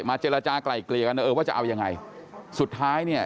รับฟังกันด้วยมาเจรจาไกลเกลียวว่าจะเอายังไงสุดท้ายเนี่ย